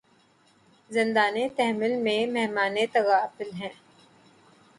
زندانِ تحمل میں مہمانِ تغافل ہیں